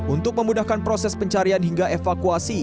untuk memudahkan proses pencarian hingga evakuasi